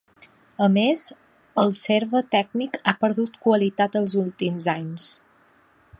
A més, el serve tècnic ha perdut qualitat els últims anys.